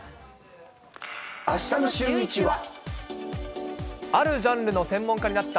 あしたのシューイチは。